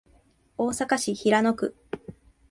大阪市平野区